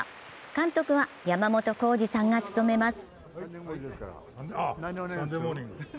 監督は山本浩二さんが務めます。